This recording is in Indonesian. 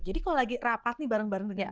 jadi kalau lagi rapat nih bareng barengnya